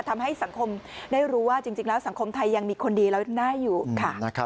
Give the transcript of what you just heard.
ทำให้สังคมได้รู้ว่าจริงแล้วสังคมไทยยังมีคนดีแล้วน่าอยู่ค่ะ